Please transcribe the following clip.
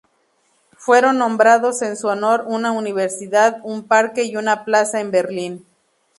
Fueron nombrados en su honor una universidad, un parque y una plaza en Berlín.